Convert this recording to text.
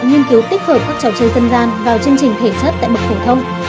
nghiên cứu tích hợp các trò chơi dân gian vào chương trình thể chất tại bậc phổ thông